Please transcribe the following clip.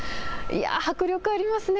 迫力ありますね。